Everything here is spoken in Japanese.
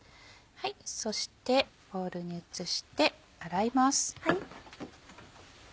そしてボウルに移して洗います。